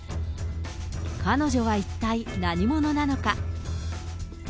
彼女は一体何者なのか。